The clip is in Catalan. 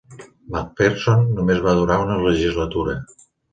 McPherson només va durar una legislatura.